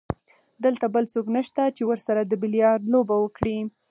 دلته بل څوک نشته چې ورسره د بیلیارډ لوبه وکړي.